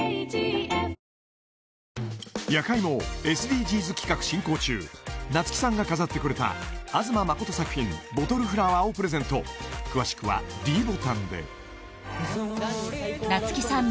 「夜会」もＳＤＧｓ企画進行中夏木さんが飾ってくれた東信作品ボトルフラワーをプレゼント詳しくはｄボタンで夏木さん